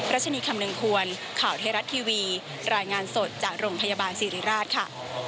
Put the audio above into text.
ชนีคำนึงควรข่าวไทยรัฐทีวีรายงานสดจากโรงพยาบาลศิริราชค่ะ